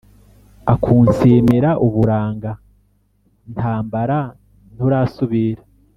Akunsimira uburanga ntambara nturasubira